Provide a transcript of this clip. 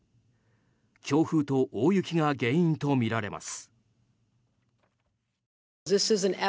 強風と大雪が原因とみられます。